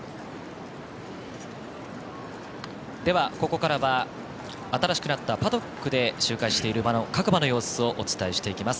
ここからは新しくなったパドックで周回している各馬の紹介をしていきます。